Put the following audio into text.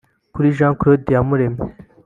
Kuri Jean Claude Iyamuremye